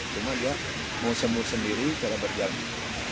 cuma dia mau sembuh sendiri cara berjalan